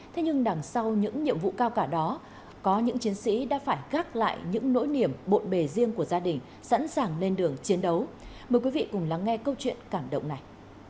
thế nhưng đằng sau những nhiệm vụ cao cả đó có những chiến sĩ đã phải gác lại những nỗi niềm bộn bề riêng của gia đình sẵn sàng lên đường chiến đấu mời quý vị cùng lắng nghe câu chuyện cảm động này